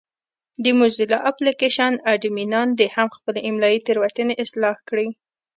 د موزیلا اپلېکشن اډمینان دې هم خپلې املایي تېروتنې اصلاح کړي.